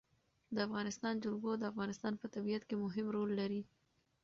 د افغانستان جلکو د افغانستان په طبیعت کې مهم رول لري.